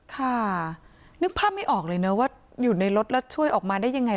ค่ะนึกภาพไม่ออกเลยนะว่าอยู่ในรถแล้วช่วยออกมาได้ยังไง